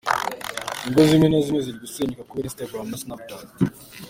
Ingo zimwe na zimwe ziri gusenyuka kubera Instagram na Snapchat.